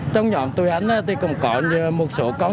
trong nhóm tuổi anh thì cũng có một số con